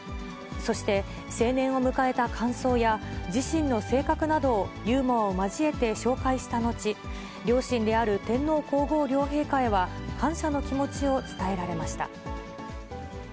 そして成年を迎えた感想や、自身の性格などをユーモアを交えて紹介した後、両親である天皇皇后両陛下へは感謝の気持ちを伝えられました。